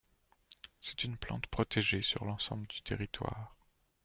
C'est une plante protégée sur l'ensemble du territoire.